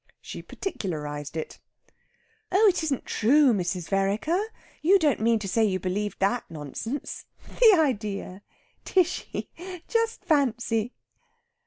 She particularised it. "Oh, it isn't true, Mrs. Vereker! You don't mean to say you believed that nonsense? The idea! Tishy just fancy!"